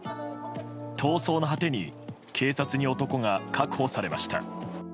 逃走の果てに警察に男が確保されました。